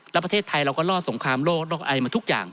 แล้วประเทศไทยเราก็รอดสงครามโลกรอดอะไรมาทุกอย่าง